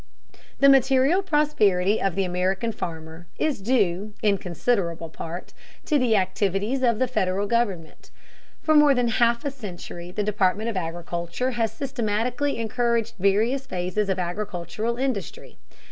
The material prosperity of the American farmer is due, in considerable part, to the activities of the Federal government. For more than a half century the Department of Agriculture has systematically encouraged various phases of agricultural industry.